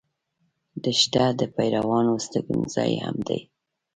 دښته د پېرانو استوګن ځای هم دی.